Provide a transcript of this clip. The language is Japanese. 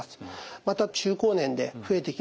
また中高年で増えてきます